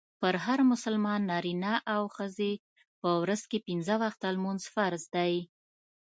پر هر مسلمان نارينه او ښځي په ورځ کي پنځه وخته لمونځ فرض دئ.